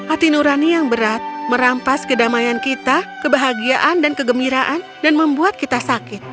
hati nurani yang berat merampas kedamaian kita kebahagiaan dan kegembiraan dan membuat kita sakit